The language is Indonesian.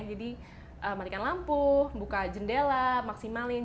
matikan lampu buka jendela maksimalin